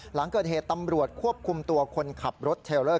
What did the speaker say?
หลังเกิดเหตุตำรวจควบคุมตัวคนขับรถเทลเลอร์